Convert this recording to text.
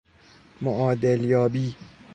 معادل یابی